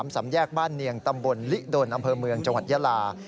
สำแยกบ้านเนียงตำบลลิดลอำเภอเมืองจังหวัดยาลา